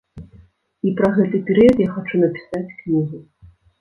І пра гэты перыяд я хачу напісаць кнігу.